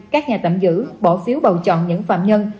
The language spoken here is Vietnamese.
các nhà tạm giữ bỏ phiếu bầu chọn những phạm nhân